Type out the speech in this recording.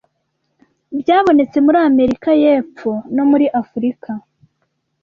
byabonetse muri Amerika y'Epfo no muri Afurika